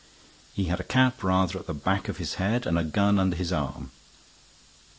He had a cap rather at the back of his head and a gun under his arm.